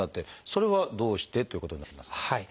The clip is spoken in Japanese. それはどうしてということになりますか？